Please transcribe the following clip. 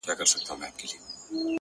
خاونده زور لرم خواږه خو د يارۍ نه غواړم’